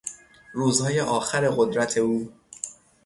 روزهای آخر قدرت او